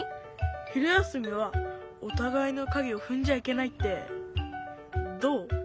昼休みはおたがいのかげをふんじゃいけないってどう？